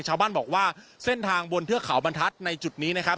ชาวบ้านบอกว่าเส้นทางบนเทือกเขาบรรทัศน์ในจุดนี้นะครับ